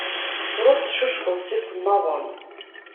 Ṛuḥ tcucfeḍ s isemmaḍen.